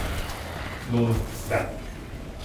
Nun, ve!